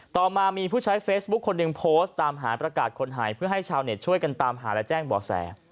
ต่อมามีผู้ใช้เฟซบุ๊คคนหนึ่งโพสต์ตามหาประกาศคนหายเพื่อให้ชาวเน็ตช่วยกันตามหาและแจ้งบ่อแส